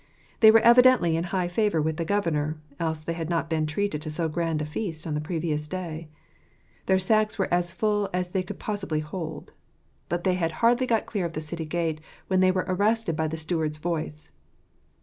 They were evidently in high favour with the governor, else they had not been treated to so grand a feast on the previous day. Their sacks were as full as they could possibly hold. But they had hardly got clear of the city gate, when they were arrested by the steward's voice.